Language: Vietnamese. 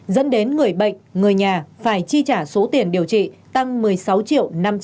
dẫn đến người bệnh người nhà phải chi trả số tiền điều trị